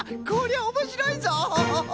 こりゃおもしろいぞ！